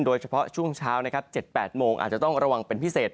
โดยเฉพาะช่วงเช้านะครับ๗๘โมงอาจจะต้องระวังเป็นพิเศษ